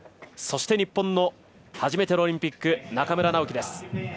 そして、日本の初めてのオリンピック中村直幹。